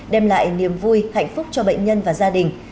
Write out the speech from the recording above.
đem lại niềm vui hạnh phúc cho bệnh nhân và gia đình